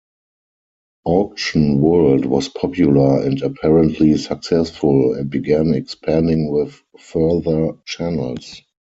Auction World was popular and apparently successful, and began expanding with further channels.